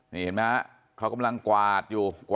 นี่เห็นไหมฮะเขากำลังกวาดอยู่